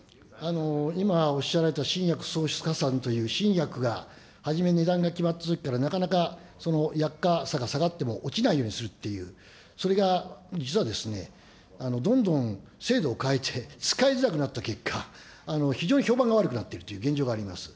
今、おっしゃられた新薬創出加算という新薬がはじめ値段が決まったときから、なかなか薬価差が下がっても落ちないようにするっていう、それが実はですね、どんどん制度を変えて、使いづらくなった結果、非常に評判が悪くなっているという現状があります。